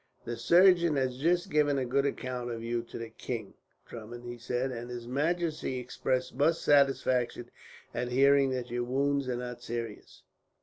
"The surgeon has just given a good account of you to the king, Drummond," he said; "and his majesty expressed much satisfaction at hearing that your wounds are not serious.